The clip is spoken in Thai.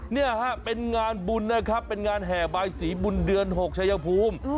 เนี่ยฮะเป็นงานบุญนะครับเป็นงานแห่บายสีบุญเดือน๖ชายภูมิ